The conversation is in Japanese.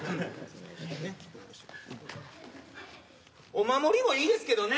お守りもいいですけどね。